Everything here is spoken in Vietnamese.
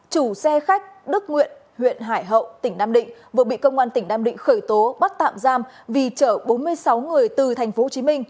chủ xe khách đức nguyện huyện hải hậu tỉnh nam định vừa bị công an tỉnh nam định khởi tố bắt tạm giam vì chở bốn mươi sáu người từ tp hcm